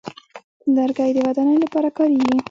لرګی د ودانیو لپاره کارېږي.